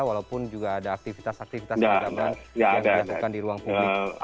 walaupun juga ada aktivitas aktivitas peradaban yang dilakukan di ruang publik